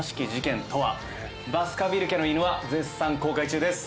『バスカヴィル家の犬』は絶賛公開中です